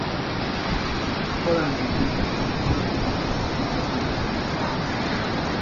Haláláig végezte történészi kutatómunkáját.